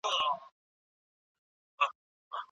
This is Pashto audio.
څېړنو ښودلې چې میل په ټولو کلتورونو کې یو شان نه دی.